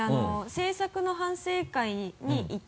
制作の反省会に居て。